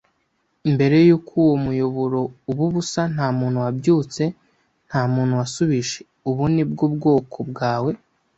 mbere yuko uwo muyoboro uba ubusa. ” Nta muntu wabyutse; nta muntu wasubije. “Ubu ni bwo bwoko bwawe,